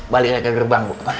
balik lagi ke gerbang bu